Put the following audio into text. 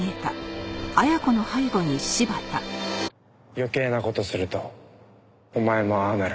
余計な事するとお前もああなる。